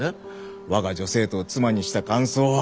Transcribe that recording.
我が女生徒を妻にした感想は？